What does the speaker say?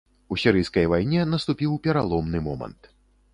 У сірыйскай вайне наступіў пераломны момант.